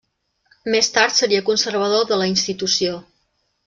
Més tard seria conservador de la institució.